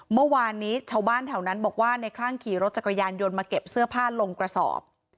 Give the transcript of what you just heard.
เมื่อวานนี้ชาวบ้านแถวนั้นบอกว่าในคลั่งขี่รถจักรยานยนต์มาเก็บเสื้อผ้าลงกระสอบ